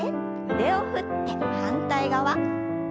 腕を振って反対側。